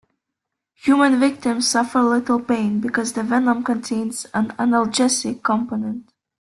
Human victims suffer little pain, because the venom contains an analgesic component.